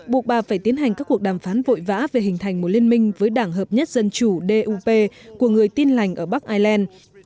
buộc bà phải tiến hành các cuộc đàm phán vội vã về hình thành một liên minh với đảng hợp nhất dân chủ của người tin lành ở bắc ireland